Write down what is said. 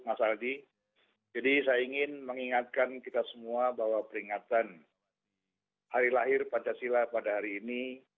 mas aldi jadi saya ingin mengingatkan kita semua bahwa peringatan hari lahir pancasila pada hari ini